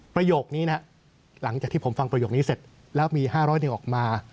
ประโยคนี้นะครับหลังจากที่ผมฟังประโยคนี้เสร็จแล้วมี๕๐๐เดียวออกมา